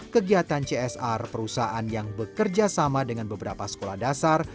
kegiatan csr perusahaan yang bekerja sama dengan beberapa sekolah dasar